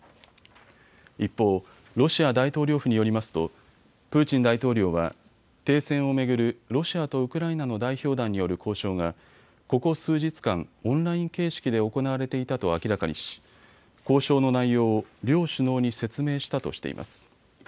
一方、ロシア大統領府によりますとプーチン大統領は停戦を巡るロシアとウクライナの代表団による交渉がここ数日間、オンライン形式で行われていたと明らかにし交渉の内容を両首脳に説明したとしています。